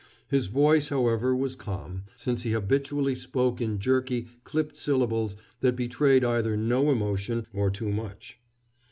His voice, however, was calm, since he habitually spoke in jerky, clipped syllables that betrayed either no emotion or too much.